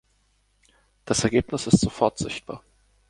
Das Ergebnis ist sofort sichtbar.